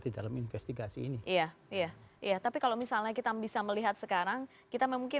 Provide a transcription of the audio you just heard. di dalam investigasi ini iya iya tapi kalau misalnya kita bisa melihat sekarang kita mungkin